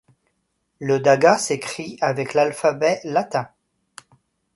Le daga s'écrit avec l'alphabet latin.